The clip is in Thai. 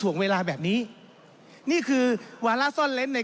ท่านประธานก็เป็นสอสอมาหลายสมัย